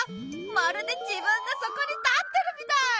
まるで自分がそこに立ってるみたい！